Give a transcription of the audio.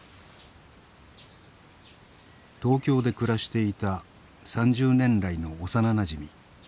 東京で暮らしていた３０年来の幼なじみ。